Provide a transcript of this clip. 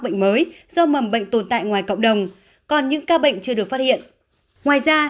dịch do mầm bệnh tồn tại ngoài cộng đồng còn những ca bệnh chưa được phát hiện ngoài ra